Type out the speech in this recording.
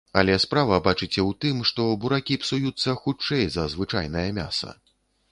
Але справа, бачыце, у тым, што буракі псуюцца хутчэй за звычайнае мяса.